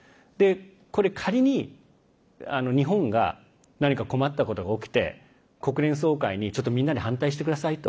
これ仮に日本が何か困ったことが起きて国連総会に、ちょっとみんなで反対してくださいと。